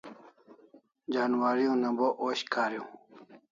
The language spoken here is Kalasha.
Janwari una bo osh kariu